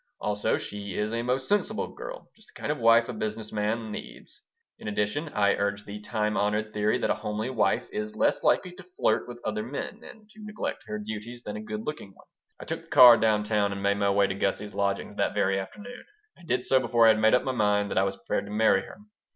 "Also she is a most sensible girl. Just the kind of wife a business man needs." In addition I urged the time honored theory that a homely wife is less likely to flirt with other men and to neglect her duties than a good looking one. I took the car down town and made my way to Gussie's lodgings that very afternoon. I did so before I had made up my mind that I was prepared to marry her.